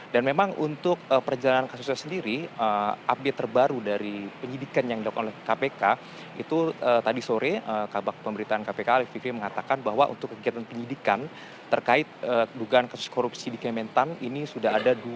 dan memang untuk perjalanan kasusnya sendiri update terbaru dari penyidikan yang dilakukan oleh kpk itu tadi sore kabar pemberitaan kpk arief fikri mengatakan bahwa untuk kegiatan penyidikan terkait dugaan kasus korupsi di kementang ini sudah ada